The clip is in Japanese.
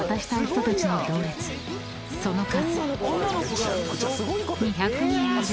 ［その数］